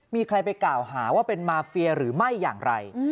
มีใครไปกล่าวหาว่าเป็นมาเฟียหรือไม่อย่างไร